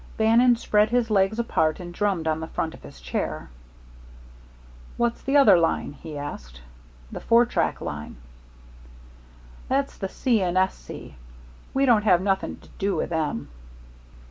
Bannon spread his legs apart and drummed on the front of his chair. "What's the other line?" he asked "the four track line?" "That's the C. & S. C. We don't have nothing to do with them."